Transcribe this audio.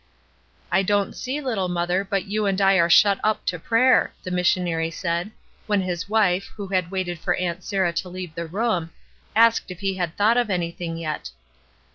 "I don't see, little mother, but you and I are shut up to prayer," the missionary said, when his wife, who had waited for Aunt Sarah to leave the room, asked if he had thought of anything yet.